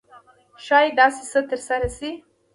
ښایي داسې څه ترسره شي.